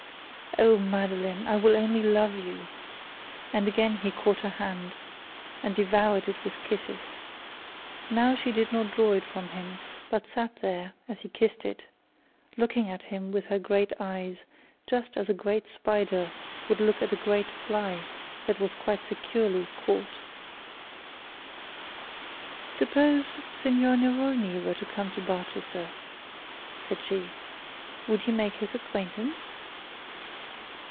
'Oh, Madeline, I will only love you,' and again he caught her hand and devoured it with kisses. Now she did not draw from him, but sat there as he kissed it, looking at him with her great eyes, just as a great spider would look at a great fly that was quite securely caught. 'Suppose Signor Neroni were to come to Barchester,' said she, 'would you make his acquaintance?'